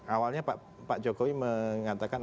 awalnya pak jokowi mengatakan